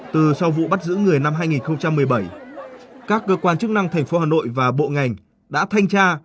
từ sau vụ bắt giữ người năm hai nghìn một mươi bảy các cơ quan chức năng thành phố hà nội và bộ ngành đã thanh tra